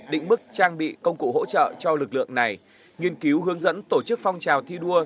định mức trang bị công cụ hỗ trợ cho lực lượng này nghiên cứu hướng dẫn tổ chức phong trào thi đua